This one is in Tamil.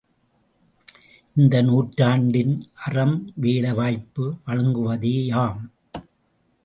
இந்த நூற்றாண்டின் அறம், வேலை வாய்ப்பு வழங்குவதேயாம்.